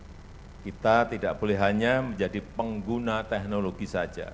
dan saya tekankan kita tidak boleh hanya menjadi pengguna teknologi saja